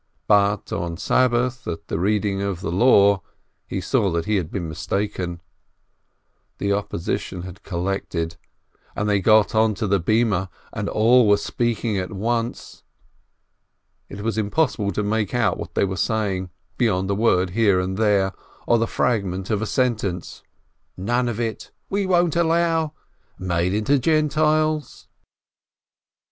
But on Sabbath, at the Reading of the Law, he saw that he had been mistaken. The opposition had collected, and they got onto the platform, and all began speaking at once. It was impossible to make out what they were saying, beyond a word here and there, or the fragment of a sentence :"— none of it !" "we won't allow —!""— made into Gentiles!"